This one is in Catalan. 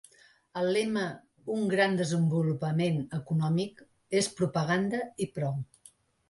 El lema ‘Un gran desenvolupament econòmic’ és propaganda i prou.